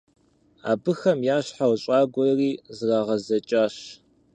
Абыхэм я щхьэр щӀагуэри зрагъэзэкӀащ.